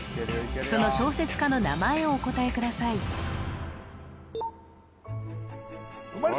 その小説家の名前をお答えください・あら